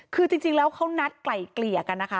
คือจริงแล้วเขานัดไกล่เกลี่ยกันนะคะ